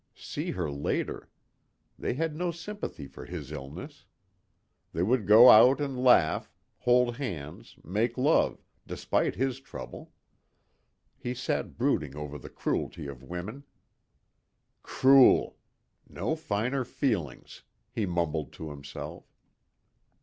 See her later! They had no sympathy for his illness. They would go out and laugh, hold hands, make love despite his trouble. He sat brooding over the cruelty of women. "Cruel. No finer feelings," he mumbled to himself.